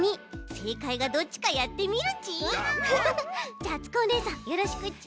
じゃああつこおねえさんよろしくち。